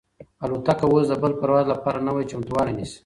الوتکه اوس د بل پرواز لپاره نوی چمتووالی نیسي.